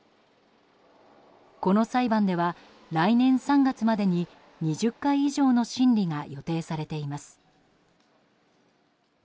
この裁判では、来年３月までに２０回以上の審理が予定されています。